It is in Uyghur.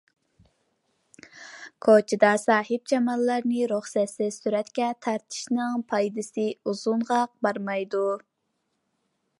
كوچىدا ساھىبجاماللارنى رۇخسەتسىز سۈرەتكە تارتىشنىڭ پايدىسى ئۇزۇنغا بارمايدۇ.